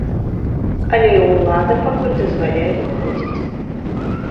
Але і ўлада пакуль дазваляе выходзіць.